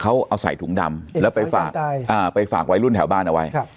เขาเอาใส่ถุงดำแล้วไปฝากไปฝากวัยรุ่นแถวบ้านเอาไว้